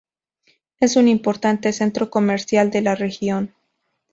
Es un importante centro comercial de la región.